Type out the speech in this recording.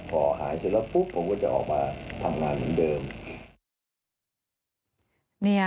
พอหายเสร็จแล้วปุ๊บผมก็จะออกมาทำงานเหมือนเดิม